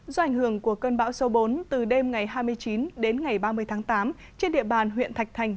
do ảnh hưởng của cơn bão số bốn từ đêm ngày hai mươi chín đến ngày ba mươi tháng tám trên địa bàn huyện thạch thành